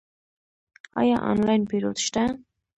آیا آنلاین پیرود شته؟